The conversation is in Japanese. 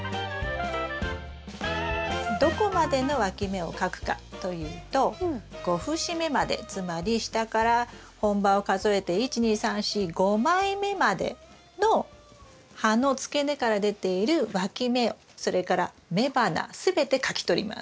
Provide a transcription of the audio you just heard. どこまでのわき芽をかくかというと５節目までつまり下から本葉を数えて１２３４５枚目までの葉のつけ根から出ているわき芽それから雌花全てかきとります。